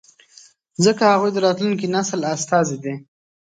ځکه هغوی د راتلونکي نسل استازي دي.